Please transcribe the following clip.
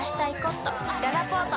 ららぽーと